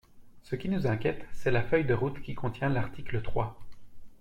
Ce qui nous inquiète, c’est la feuille de route que contient l’article trois.